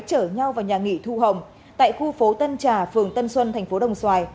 chở nhau vào nhà nghỉ thu hồng tại khu phố tân trà phường tân xuân tp đồng xoài